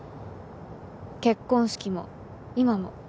結婚式も今も。